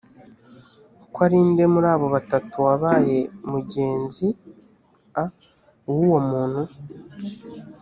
ko ari nde muri abo batatu wabaye mugenzia w uwo muntu